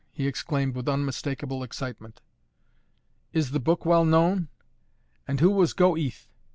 he exclaimed, with unmistakable excitement. "Is the book well known? and who was GO EATH?